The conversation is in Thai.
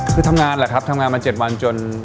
คือทำงานแหละครับทำงานมา๗วันจน